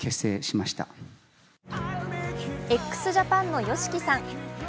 ＸＪＡＰＡＮのＹＯＳＨＩＫＩさん